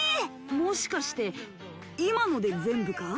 もしかして今ので全部か？